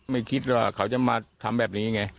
ไม่คิดว่าเขาจะมาทำแบบนี้ไง